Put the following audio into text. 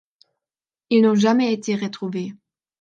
Ils n’ont jamais été retrouvés.